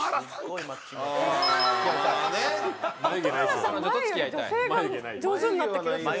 前より女性が上手になった気がする。